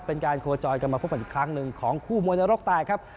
เป็นการโคจรกันมาพบกันอีกครั้งหนึ่งของคู่มวยนรกแตกครับ